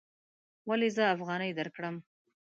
ولې زه افغانۍ درکړم؟